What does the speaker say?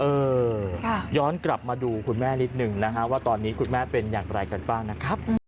เออย้อนกลับมาดูคุณแม่นิดหนึ่งนะฮะว่าตอนนี้คุณแม่เป็นอย่างไรกันบ้างนะครับ